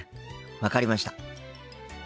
分かりました。